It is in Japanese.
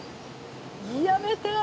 やめて！